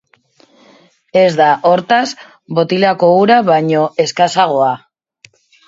Ez da, hortaz, botilako ura baino eskasagoa.